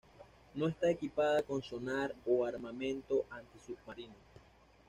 No está equipada con sonar o armamento anti-submarino.